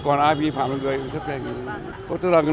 còn ai vi phạm người cũng chấp nhận